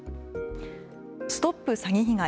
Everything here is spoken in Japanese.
ＳＴＯＰ詐欺被害！